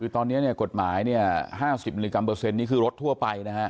คือตอนนี้กฎหมาย๕๐มิลลิกรัมเปอร์เซ็นต์นี่คือรถทั่วไปนะฮะ